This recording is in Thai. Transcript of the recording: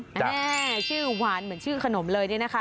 แหม่ชื่อหวานเหมือนชื่อขนมเลย